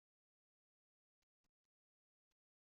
Matta teẓrim di Tegucigalpa?